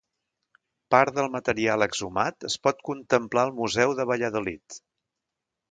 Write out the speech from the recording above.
Part del material exhumat es pot contemplar al Museu de Valladolid.